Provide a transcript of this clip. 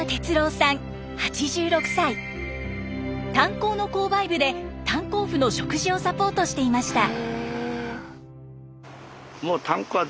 炭鉱の購買部で炭鉱夫の食事をサポートしていました。